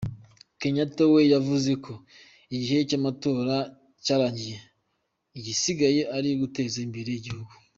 Kenyatta we yavuze ko igihe cy’amatora cyarangiye, igisigaye ari uguteza imbere igihugu.